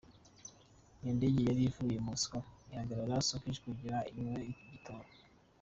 Iyo ndege yari ivuye I Mosco, ihagarara I Sochi kugira inywe igitoro.